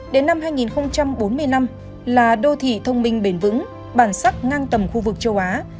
đến năm hai nghìn bốn mươi năm là đô thị thông minh bền vững bản sắc ngang tầm khu vực châu á